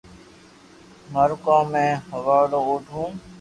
مارو ڪوم ھي ھوالڙو اوٺوو